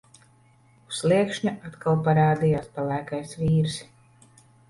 Uz sliekšņa atkal parādījās pelēkais vīrs.